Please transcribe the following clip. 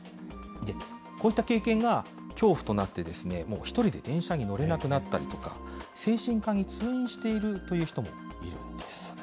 こういった経験が恐怖となって、もう１人で電車に乗れなくなったり、精神科に通院しているという人もいるんです。